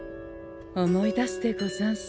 思い出すでござんす。